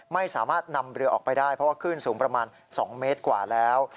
ไม่สามารถนำเรือออกไปได้เพราะว่าขึ้นสูงประมาณ๒เมตรกว่าแล้ว